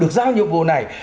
được giao nhiệm vụ này